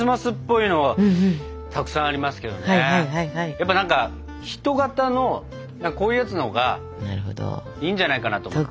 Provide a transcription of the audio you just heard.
やっぱ何か人型のこういうやつのほうがいいんじゃないかなと思って。